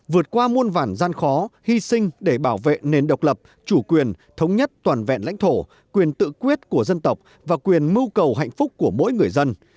vượt qua muôn vản gian khó hy sinh để bảo vệ nền độc lập chủ quyền thống nhất toàn vẹn lãnh thổ quyền tự quyết của dân tộc và quyền mưu cầu hạnh phúc của mỗi người dân